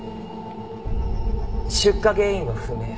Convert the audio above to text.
出火原因は不明。